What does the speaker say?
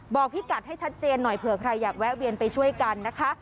พี่กัดให้ชัดเจนหน่อยเผื่อใครอยากแวะเวียนไปช่วยกันนะคะ